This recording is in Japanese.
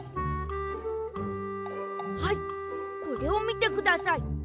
はいこれをみてください。